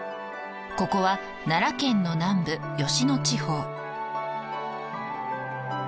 ここは奈良県の南部吉野地方。